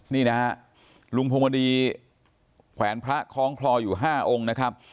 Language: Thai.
นี่นะฮะลุงพวงดีแขวนพระคล้องคลออยู่๕องค์นะครับ